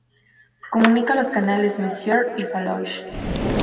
Comunica los canales Messier y Fallos.